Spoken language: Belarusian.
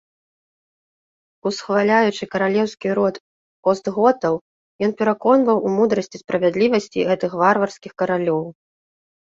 Усхваляючы каралеўскі род остготаў, ён пераконваў у мудрасці, справядлівасці гэтых варварскіх каралёў.